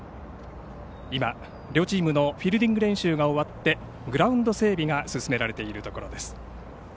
今、両チームのフィールディング練習が終わってグラウンド整備が進められているところです。